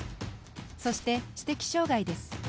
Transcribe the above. そして、知的障がいです。